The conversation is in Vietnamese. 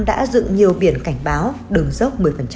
đã dựng nhiều biển cảnh báo đường dốc một mươi